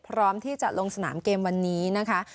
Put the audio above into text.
พร้อมที่จะลงสนามเกมวันนี้นะคะ